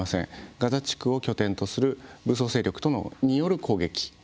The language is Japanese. ガザ地区を拠点とする武装勢力による攻撃。